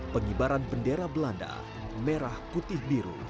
pengibaran bendera belanda merah putih biru